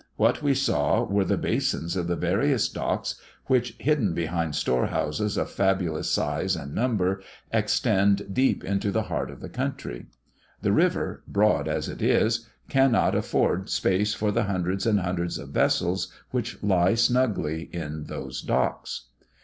What we saw were the basins of the various docks which, hidden behind store houses of fabulous size and number, extend deep into the heart of the country. The river, broad as it is, cannot afford space for the hundreds and hundreds of vessels which lie snugly in those docks.